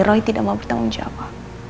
roy tidak mau bertemu jawa